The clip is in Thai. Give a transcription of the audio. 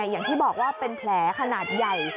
อย่างที่บอกว่าเป็นแผลขนาดใหญ่